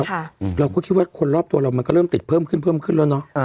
เราก็คิดว่าคนรอบตัวเรามันก็เริ่มติดเพิ่มขึ้นเพิ่มขึ้นแล้วเนอะ